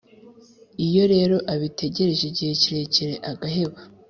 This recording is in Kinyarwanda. iyo rero abitegereje igihe kirekire agaheba